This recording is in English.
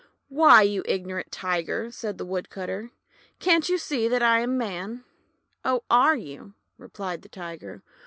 "Why, you ignorant Tiger," said the Wood cutter, "can't you see that I am a Man?' "Oh, are you?" replied the Tiger.